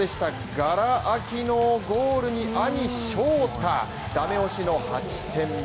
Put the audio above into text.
がら空きのゴールに兄・翔太、ダメ押しの８点目。